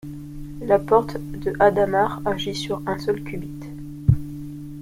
La porte de Hadamard agit sur un seul qubit.